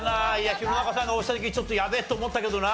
弘中さんが押した時ちょっとやべえと思ったけどな。